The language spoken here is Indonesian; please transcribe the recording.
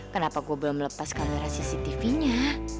kenapa gue belum lepas kamera cctvnya